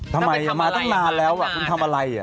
ทำไมมาตั้งนานแล้วคุณทำอะไร